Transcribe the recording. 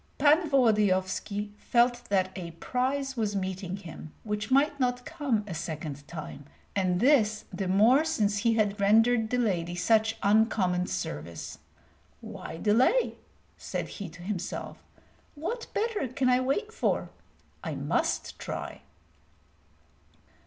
Pan Volodyovski felt that a prize was meeting him which might not come a second time, and this the more since he had rendered the lady such uncommon service. "Why delay?" said he to himself. "What better can I wait for? I must try."